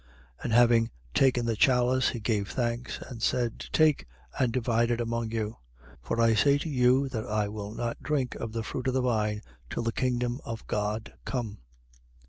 22:17. And having taken the chalice, he gave thanks and said: Take and divide it among you. 22:18. For I say to you that I will not drink of the fruit of the vine, till the kingdom of God come.